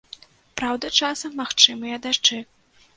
Праўда, часам магчымыя дажджы.